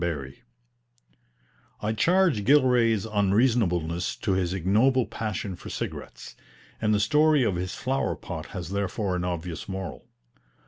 BARRIE I charge Gilray's unreasonableness to his ignoble passion for cigarettes; and the story of his flower pot has therefore an obvious moral.